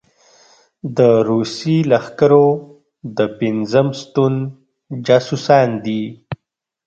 د روسي لښکرو د پېنځم ستون جاسوسان دي.